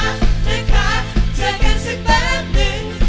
นะคะเจอกันสักแปบนึง